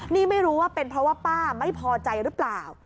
นี่ไม่รู้ว่าเป็นเพราะว่าป้าไม่พอใจหรือเปล่า